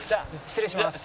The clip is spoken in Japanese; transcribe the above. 失礼します。